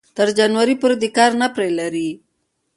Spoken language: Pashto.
تر جنوري پورې دې کار نه پرې لري